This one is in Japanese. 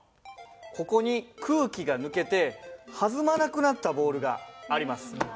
ここに空気が抜けて弾まなくなったボールがあります。